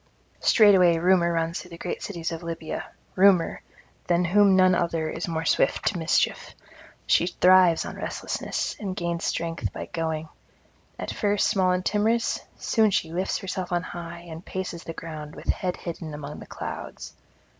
Straightway Rumour runs through the great cities of Libya, Rumour, than whom none other is more swift to mischief; she thrives on restlessness and gains strength by going: at first small and timorous; soon she lifts herself on high and paces the ground with head hidden among the clouds.